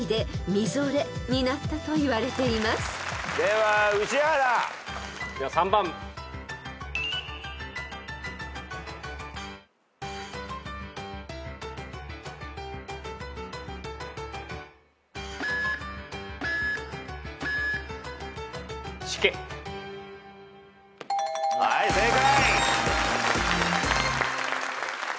はい正解。